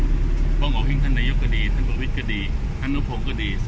เขามองเอาหิ้งท่านนายกก็ดีท่านก๋อวิกก็ดีท่านนุพงค์ก็ดี